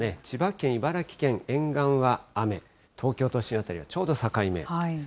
千葉県、茨城県沿岸は雨、東京都心辺りはちょうど境目。